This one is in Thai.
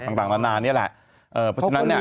ต่างนานนี่แหละ